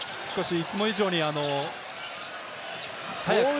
いつも以上に早く。